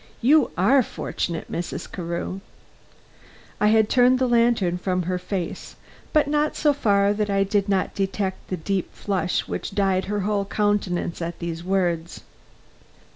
You are fortunate, Mrs. Carew." I had turned the lantern from her face, but not so far that I did not detect the deep flush which dyed her whole countenance at these words.